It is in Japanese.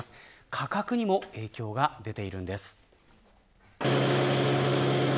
価格にも影響が出ているんです。